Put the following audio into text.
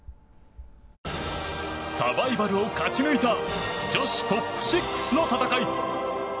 サバイバルを勝ち抜いた女子トップ６の戦い！